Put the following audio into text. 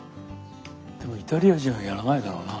でもイタリア人はやらないだろうな。